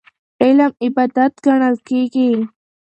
علم عبادت ګڼل کېږي.